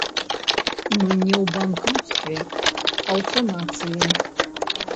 Мы не ў банкруцтве, а ў санацыі.